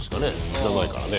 知らないからね。